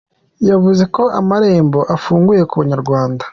Yavuze ko amarembo afunguye ku banyarwanda.